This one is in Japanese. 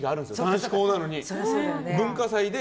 男子校なのに文化祭で。